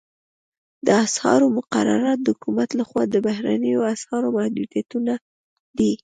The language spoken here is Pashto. د اسعارو مقررات د حکومت لخوا د بهرنیو اسعارو محدودیتونه دي